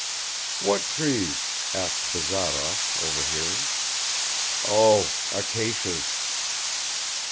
"What trees?" asked Bazarov, overhearing, "Oh ... acacias."